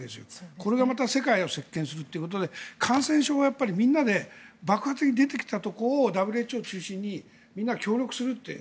これがまた世界を席巻するということで感染症はやっぱりみんなで爆発的に出てきたところをＷＨＯを中心にみんなで協力するという。